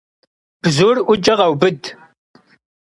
Bzur 'Uç'e khêubıd.